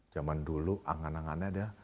zaman dulu angan angannya